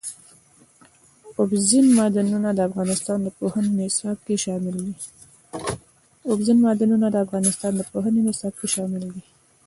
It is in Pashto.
اوبزین معدنونه د افغانستان د پوهنې نصاب کې شامل دي.